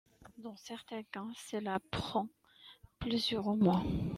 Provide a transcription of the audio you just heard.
Dans certains cas, cela prend plusieurs mois.